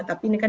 tapi ini kan